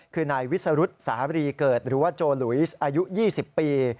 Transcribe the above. คือนายวิสุรุษร์สาธารีย์เกิดหรือโจรุวีสต์อายุ๒๐ปี